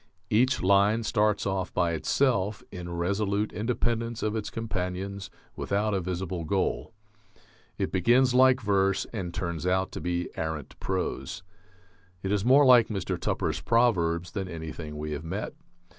Each line starts off by itself, in resolute independence of its companions, without a visible goal ... it begins like verse and turns out to be arrant prose. It is more like Mr. Tupper's proverbs than anything we have met....